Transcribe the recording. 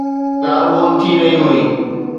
ڳالهه ٻولهه ٿي رهي هئي